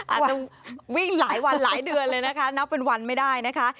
อาจจะวิ่งหลายวันหลายเดือนเลยนะคะนับเป็นวันไม่ได้นะคะ